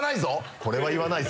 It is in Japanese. これは言わないぞ！